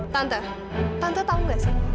tante tante tahu nggak sih